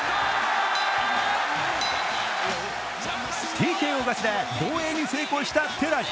ＴＫＯ勝ちで防衛に成功した寺地。